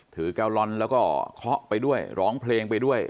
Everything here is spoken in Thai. แกลลอนแล้วก็เคาะไปด้วยร้องเพลงไปด้วย